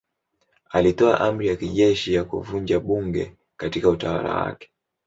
Alitoa amri ya kijeshi ya kuvunja bunge katika utawala wake.